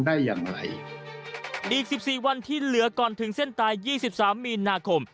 ดี๑๔วันที่เหลือก่อนถึงเส้นตาย๒๓มีนาคม